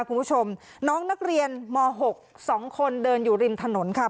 คุณผู้ชมน้องนักเรียนม๖๒คนเดินอยู่ริมถนนค่ะ